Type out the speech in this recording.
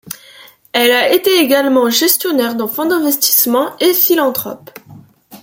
Elle a également été gestionnaire d'un fonds d'investissement et philanthrope.